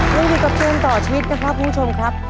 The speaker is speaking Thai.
ยังอยู่กับเกมต่อชีวิตนะครับคุณผู้ชมครับ